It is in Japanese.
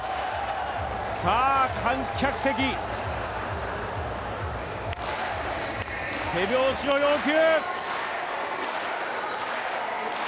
さあ、観客席、手拍子を要求。